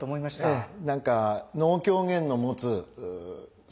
ええ。